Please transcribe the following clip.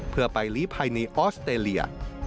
เพื่อไปลีภัยในออสเตรเลีย